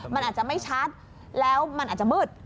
มันอาจจะไม่ชัดแล้วมันอาจจะมืด